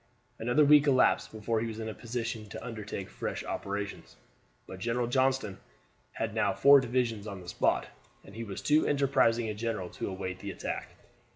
Another week elapsed before he was in a position to undertake fresh operations; but General Johnston had now four divisions on the spot, and he was too enterprising a general to await the attack.